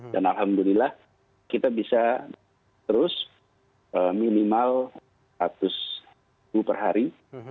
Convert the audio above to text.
dan alhamdulillah kita bisa terus minimal seratus per hari